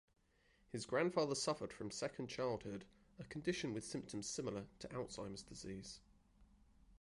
His grandfather suffered from Second Childhood, a condition with symptoms similar to Alzheimer's Disease.